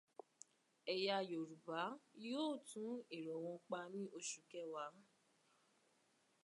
Ẹ̀yà Yorùbá yóò tún èrò wọn pa ní oṣù kẹwàá.